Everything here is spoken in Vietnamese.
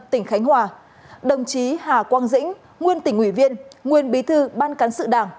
tỉnh khánh hòa đồng chí hà quang dĩnh nguyên tỉnh ủy viên nguyên bí thư ban cán sự đảng